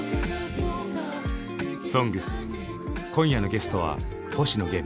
「ＳＯＮＧＳ」今夜のゲストは星野源。